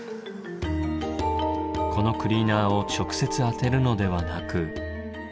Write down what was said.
このクリーナーを直接当てるのではなく。